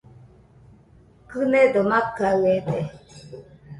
Kɨnedo makaɨede